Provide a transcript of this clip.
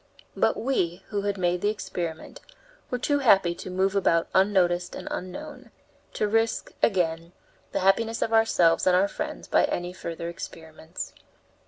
But we, who had made the experiment, were too happy to move about unnoticed and unknown, to risk, again, the happiness of ourselves and our friends by any further experiments.